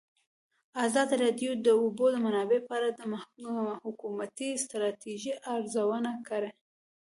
ازادي راډیو د د اوبو منابع په اړه د حکومتي ستراتیژۍ ارزونه کړې.